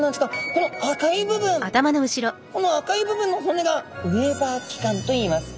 この赤い部分の骨がウェーバー器官といいます。